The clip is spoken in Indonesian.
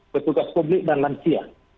ketugas publik dan lansia